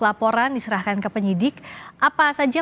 laporan diserahkan ke penyidik apa saja